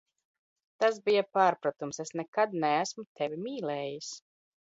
Tas bija pārpratums, es nekad neesmu Tevi mīlējis!